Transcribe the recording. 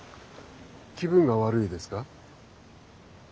気分が悪いですか？